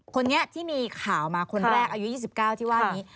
คนนี้ที่มีข่าวมาคนแรกอายุ๒๙ที่ว่านี้